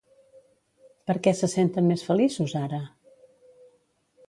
Per què se senten més feliços, ara?